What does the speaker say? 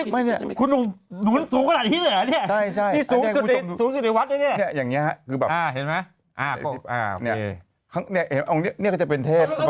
ไม่นะเนี่ยคนหนุนสูงขนาดนี้เหรอเนี่ย